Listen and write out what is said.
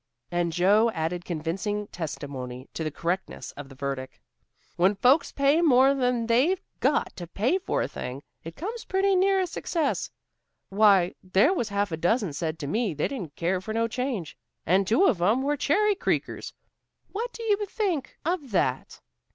And Joe added convincing testimony to the correctness of the verdict. "When folks pay more than they've got to pay for a thing, it comes pretty near being a success. Why, there was a half a dozen said to me they didn't care for no change, and two of 'em were Cherry Creekers. What do you think of that?